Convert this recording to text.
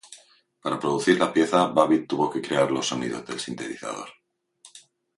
Para producir la pieza, Babbitt tuvo que crear los sonidos del sintetizador.